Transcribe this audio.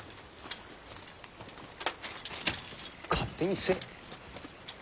勝手にせい。